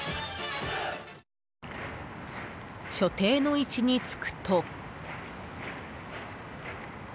所定の位置につくと。